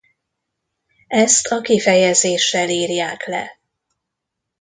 Ezt a kifejezéssel írják le.